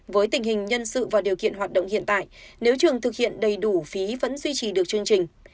với tình hình nhân sự và điều kiện hoạt động hiện tại nếu trường thực hiện đầy đủ phí vẫn duy trì được chương trình